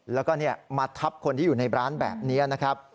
แล้วก็มาทับคนที่อยู่ในร้านแบบนี้นะครับ